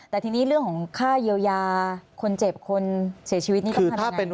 แต่ทีนี้เรื่องของค่าเยียวยาคนเจ็บคนเสียชีวิตนี่ต้องทำยังไง